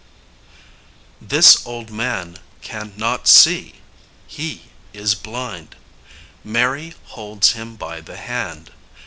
] This old man can not see. He is blind. Mary holds him by the hand.